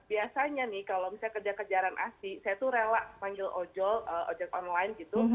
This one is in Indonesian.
biasanya nih kalau misalnya kerjaan kerjaan aksi saya tuh rela panggil ojek online gitu